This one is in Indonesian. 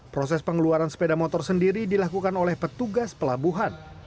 proses pengeluaran sepeda motor sendiri dilakukan oleh petugas pelabuhan